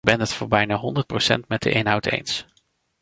Ik ben het voor bijna honderd procent met de inhoud eens.